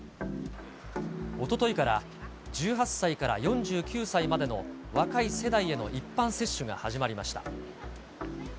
おとといから、１８歳から４９歳までの若い世代への一般接種が始まりました。